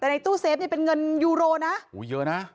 แต่ในตู้เซฟนี่เป็นเงินยูโรนะอุ้ยเยอะนะ